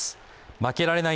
負けられない